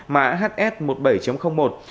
mã hs một mươi bảy một